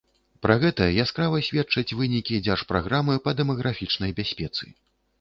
Пра гэта яскрава сведчаць вынікі дзяржпраграмы па дэмаграфічнай бяспецы.